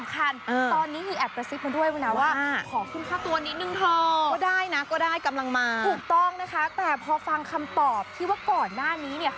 ทำให้พี่โป๊ะของเรายิ่งดูน่ารักน่าจะดูมันไปอีก